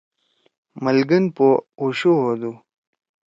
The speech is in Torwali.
ملگن پو اوشو ہودُو۔